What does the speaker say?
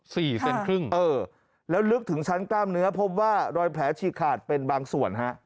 เซนครึ่งเออแล้วลึกถึงชั้นกล้ามเนื้อพบว่ารอยแผลฉีกขาดเป็นบางส่วนฮะ